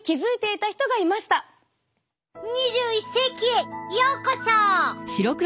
２１世紀へようこそ！